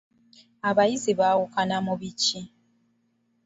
Abayizi baawukana mu biki?